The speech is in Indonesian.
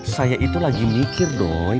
saya itu lagi mikir dong